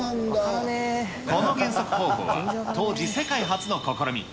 この減速方法は当時世界初の試み。